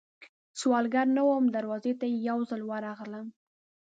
سوالګره نه وم، دروازې ته یې یوځل ورغلم